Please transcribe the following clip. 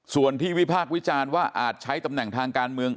ส่วนที่วิพากษ์วิจารณ์ว่าอาจใช้ตำแหน่งทางการเมือง